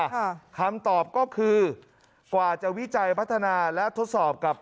ตัวนี้เมื่อไหร่ล่ะคำตอบก็คือกว่าจะวิจัยพัฒนาและทดสอบกับ